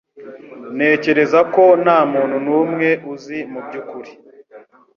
Ntekereza ko ntamuntu numwe uzi mubyukuri